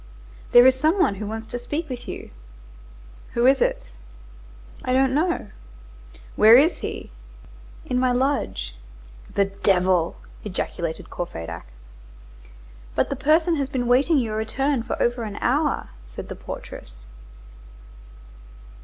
"There is some one who wants to speak with you." "Who is it?" "I don't know." "Where is he?" "In my lodge." "The devil!" ejaculated Courfeyrac. "But the person has been waiting your return for over an hour," said the portress.